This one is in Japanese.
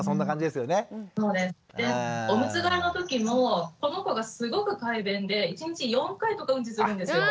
でオムツ替えの時もこの子がすごく快便で一日４回とかうんちするんですよ。